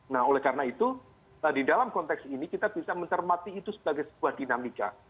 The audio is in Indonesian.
nah oleh karena itu di dalam konteks ini kita bisa mencermati itu sebagai sebuah dinamika